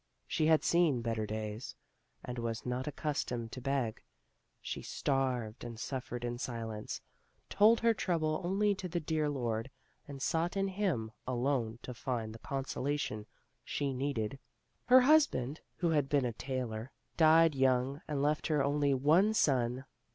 She had seen better days, and was not accustomed to beg; she starved and suflPered in silence, told her trouble only to the dear Lord, and sought in Him alone to find the consolation she needed. Her husband, who had been a tailor, died young and left her only one son.